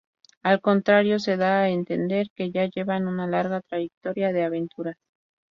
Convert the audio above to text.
Al contrario, se da a entender que ya llevan una larga trayectoria de aventuras.